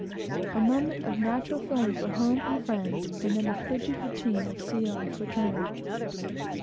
A moment of natural feeling for home and friends, and then the frigid routine of sea life returned.